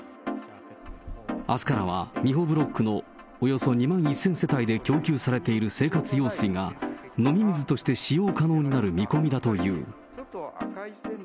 あすからは、三保ブロックのおよそ２万１０００世帯で供給されている生活用水が、飲み水として使用可能になる見込みだという。